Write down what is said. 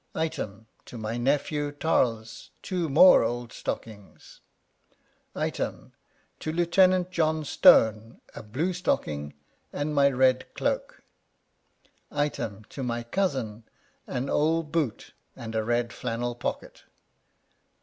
Item : To my nephew, Tarles, two more old stockings. Item : To Lieut. John Stone, a blue stocking, and my red cloak. Item : To my cousin, an old boot, and a red flannel pocket.